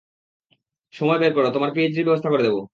সময় বের করো, তোমার পিএইচডির ব্যবস্থা করে দেব।